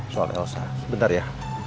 soal elsa bentar ya